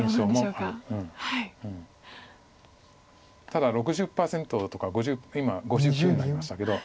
ただ６０％とか今５９になりましたけど。